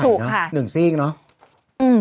ถูกค่ะค่ะหนึ่งสิ้งเนอะอืม